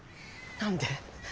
何で？